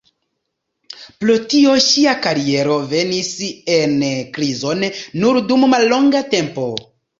Pro tio ŝia kariero venis en krizon nur dum mallonga tempo.